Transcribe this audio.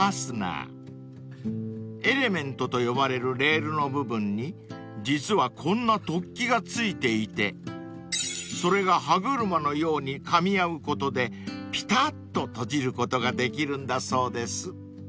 ［エレメントと呼ばれるレールの部分に実はこんな突起が付いていてそれが歯車のようにかみ合うことでぴたっと閉じることができるんだそうです］